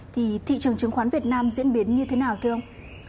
thì thị trường trường khoán việt nam diễn biến như thế nào không